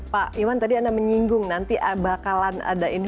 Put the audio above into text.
pak iwan tadi anda menyinggung nanti bakalan ada informasi